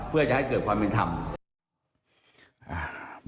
เพื่อจะให้เกิดความเป็นธรรม